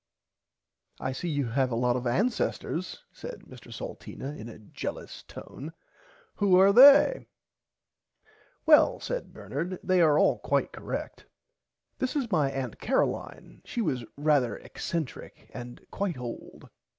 I see you have a lot of ancesters said Mr Salteena in a jelous tone, who are they. Well said Bernard they are all quite correct. This is my aunt Caroline she was rarther exentrick and quite old.